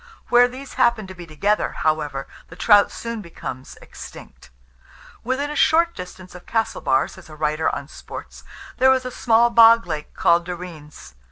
Where these happen to be together, however, the trout soon becomes extinct. "Within a short distance of Castlebar," says a writer on sports, "there is a small bog lake called Derreens.